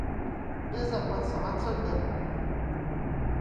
بێزەحمەت سەعات چەندە؟